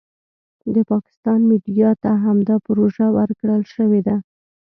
د پاکستان میډیا ته همدا پروژه ورکړای شوې ده.